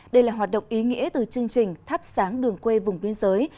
đây là hoạt động ý nghĩa từ chương trình thắp sáng đường quê vùng biên giới